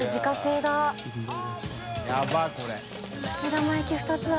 目玉焼き２つだ。